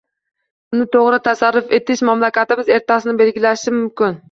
Uni to‘g‘ri tasarruf etish mamlakatimiz ertasini belgilashi mumkin.